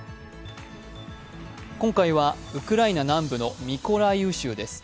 今回はウクライナ南部のミコライウ州です。